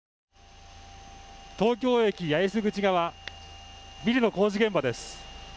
東京駅八重洲口側、ビルの工事現場です。